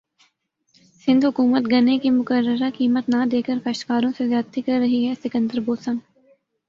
سندھ حکومت گنے کی مقررہ قیمت نہ دیکر کاشتکاروں سے زیادتی کر رہی ہے سکندر بوسن